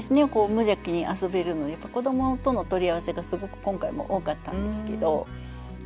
無邪気に遊べるので子どもとの取り合わせがすごく今回も多かったんですけど。